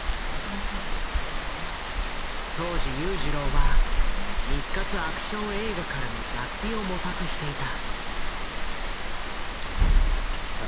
当時裕次郎は日活アクション映画からの脱皮を模索していた。